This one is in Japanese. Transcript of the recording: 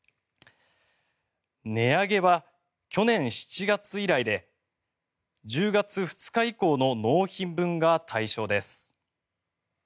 値上げは去年７月以来で１０月２日以降の納品分が対象です。